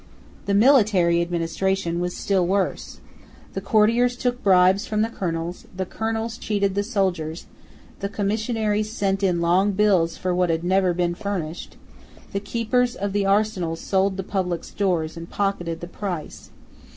The military administration was still worse. The courtiers took bribes from the colonels; the colonels cheated the soldiers: the commissaries sent in long bills for what had never been furnished: the keepers of the arsenals sold the public stores and pocketed the price.